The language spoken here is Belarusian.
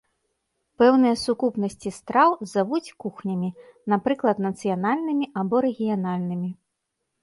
Пэўныя сукупнасці страў завуць кухнямі, напрыклад нацыянальнымі або рэгіянальнымі.